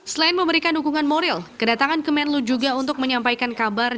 selain memberikan dukungan moral kedatangan kemenlu juga untuk menyampaikan kabar